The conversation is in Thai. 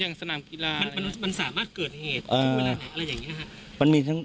สนามกีฬามันสามารถเกิดเหตุถึงเวลาไหนอะไรอย่างนี้ครับ